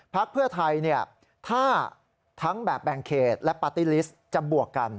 พักเพื่อไทยถ้าทั้งแบบแบ่งเขตและปาร์ตี้ลิสต์จะบวกกัน